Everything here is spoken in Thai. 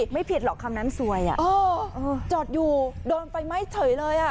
ไม่ผิดหรอกคำนั้นซวยจอดอยู่โดนไฟไหม้เฉยเลยอ่ะ